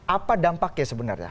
apa dampaknya sebenarnya